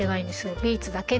ビーツだけで。